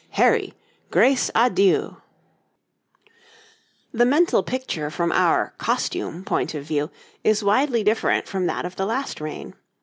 Harry, Grace à Dieu! The mental picture from our costume point of view is widely different from that of the last reign.